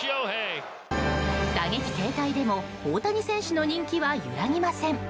打撃停滞でも、大谷選手の人気は揺らぎません。